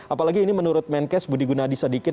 apalagi ini menurut menkes budi gunadi sedikit